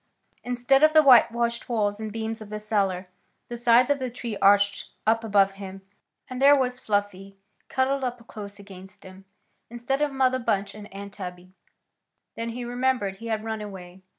Instead of the white washed walls and beams of the cellar, the sides of the tree arched up above him; and there was Fluffy cuddled up close against him, instead of Mother Bunch and Aunt Tabby. Then he remembered. He had run away.